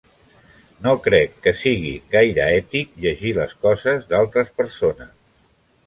No crec que sigui gaire ètic llegir les coses d'altres persones.